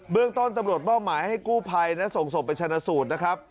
เรื่องต้นตำรวจมอบหมายให้กู้ภัยและส่งศพไปชนะสูตรนะครับ